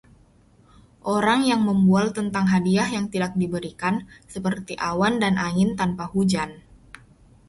orang yang membual tentang hadiah yang tidak diberikan, seperti awan dan angin tanpa hujan